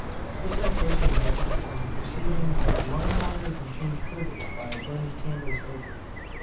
This I first imagined from perceiving that lime water became turbid by burning candles over it, p.